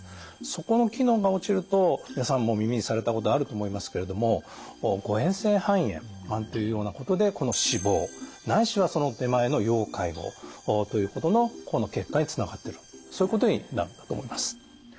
そこの機能が落ちると皆さんも耳にされたことあると思いますけれども誤えん性肺炎なんていうようなことでこの死亡ないしはその手前の要介護ということのこの結果につながってるそういうことになるんだと思います。